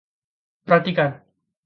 Perhatikan.